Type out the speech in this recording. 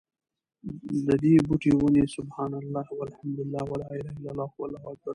ددي بوټي، وني: سُبْحَانَ اللهِ وَالْحَمْدُ للهِ وَلَا إِلَهَ إلَّا اللهُ وَاللهُ أكْبَرُ دي